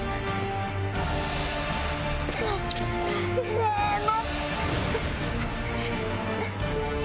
せの！